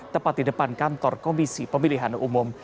tepat di depan kantor komisi pemilihan umum